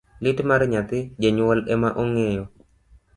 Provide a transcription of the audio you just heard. Lit mar nyathi, janyuol ema ong'eyo.